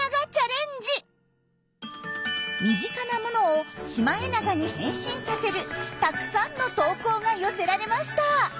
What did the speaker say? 身近なものをシマエナガに変身させるたくさんの投稿が寄せられました。